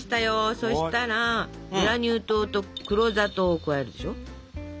そしたらグラニュー糖と黒砂糖を加えるでしょ。